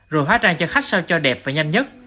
rồi hóa trang cho khách sao cho đẹp và nhanh nhất